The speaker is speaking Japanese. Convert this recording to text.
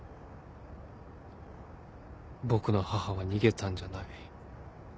僕の母は逃げたんじゃない。